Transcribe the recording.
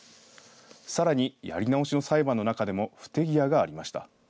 さらにやり直しの裁判の中でも不手際がありました。